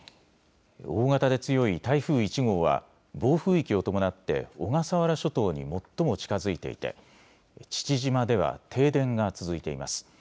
大型で強い台風１号は暴風域を伴って小笠原諸島に最も近づいていて父島では停電が続いています。